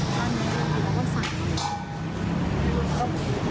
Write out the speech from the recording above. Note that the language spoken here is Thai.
มันก็สั่ง